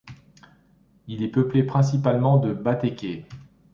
Il est peuplé principalement de Batéké.